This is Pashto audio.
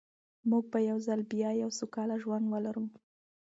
موږ به یو ځل بیا یو سوکاله ژوند ولرو.